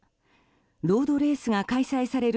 ロードレースが開催される